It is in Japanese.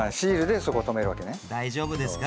大丈夫ですか？